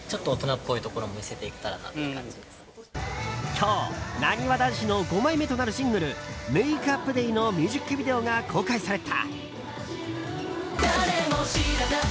今日、なにわ男子の５枚目となるシングル「ＭａｋｅＵｐＤａｙ」のミュージックビデオが公開された。